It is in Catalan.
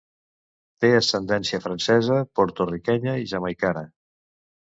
Té ascendència francesa, porto-riquenya i jamaicana.